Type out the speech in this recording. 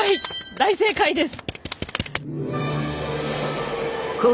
大正解です。